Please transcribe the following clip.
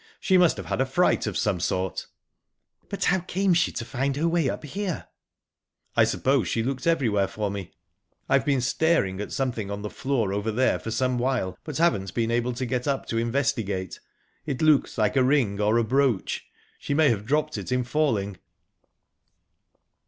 She must have had a fright of some sort." "But how came she to find her way up here?" "I suppose she looked everywhere for me...I've been staring at something on the floor over there for some while, but haven't been able to get up to investigate. It looks like a ring, or a brooch. She may have dropped it in falling."